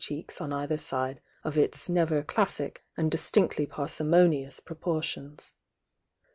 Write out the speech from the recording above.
^^^^^"^^'^^^ side of its never classic and distinctly parsimonious pronortions.